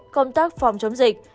công tác phòng chống dịch